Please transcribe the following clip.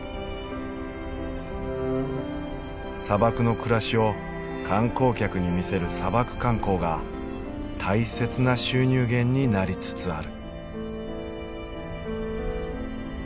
砂漠の暮らしを観光客に見せる砂漠観光が大切な収入源になりつつある。